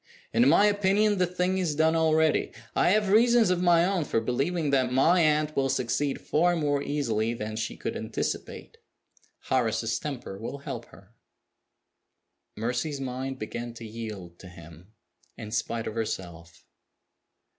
In my opinion, the thing is done already. I have reasons of my own for believing that my aunt will succeed far more easily than she could anticipate. Horace's temper will help her." Mercy's mind began to yield to him, in spite of herself.